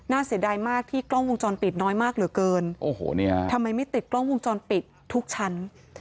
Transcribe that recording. เสียดายมากที่กล้องวงจรปิดน้อยมากเหลือเกินโอ้โหนี่ฮะทำไมไม่ติดกล้องวงจรปิดทุกชั้น